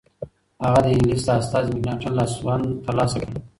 هغه د انگلیس د استازي مکناتن لاسوند ترلاسه کړ.